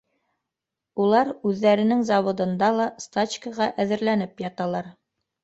— Улар үҙҙәренең заводында ла стачкаға әҙерләнеп яталар.